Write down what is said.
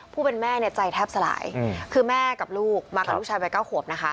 ผู้เป็นแม่ใจแทบสลายคือแม่กับลูกมากับลูกชายไปเก้าหวบนะคะ